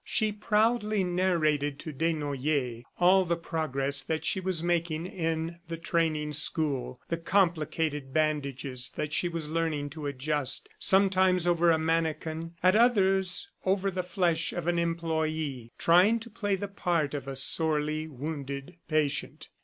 She proudly narrated to Desnoyers all the progress that she was making in the training school, the complicated bandages that she was learning to adjust, sometimes over a mannikin, at others over the flesh of an employee, trying to play the part of a sorely wounded patient.